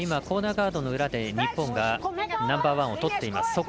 コーナーガードの裏で日本がナンバーワンをとっています。